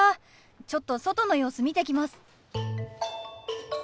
ちょっと外の様子見てきます。